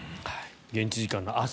現地時間の明日